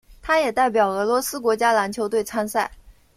他也代表俄罗斯国家篮球队参赛。